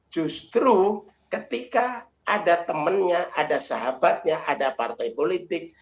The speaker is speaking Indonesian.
justru ketika ada temannya ada sahabatnya ada partai politik